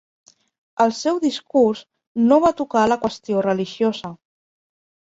El seu discurs no va tocar la qüestió religiosa.